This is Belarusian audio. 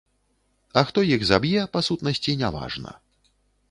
А хто іх заб'е, па сутнасці, не важна.